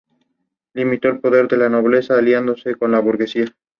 Limitó el poder de la nobleza, aliándose con la burguesía.